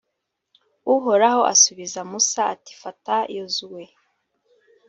uhoraho asubiza musa, ati fata yozuwe.